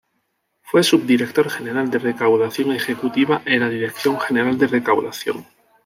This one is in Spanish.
Fue Subdirector General de Recaudación Ejecutiva en la Dirección General de Recaudación.